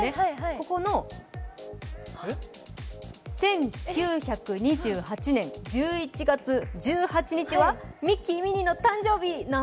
ここの１９２８年１１月１８日はミッキー＆ミニーの誕生日。